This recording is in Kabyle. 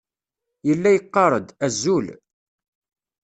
Yella yeqqar-d "azul".